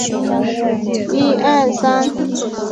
阮有政是乂安省英山府真禄县邓舍总东海社古丹村出生。